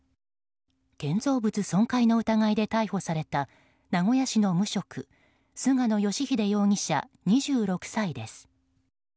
建造物損壊の疑いで逮捕された名古屋市の無職菅野義秀容疑者、２６歳です。